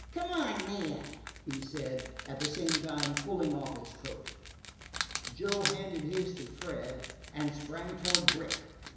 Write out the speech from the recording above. "Come on, then," he said, at the same time pulling off his coat. Joe handed his to Fred, and sprang toward Brick.